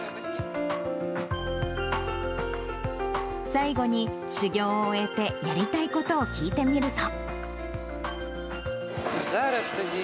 最後に、修業を終えてやりたいことを聞いてみると。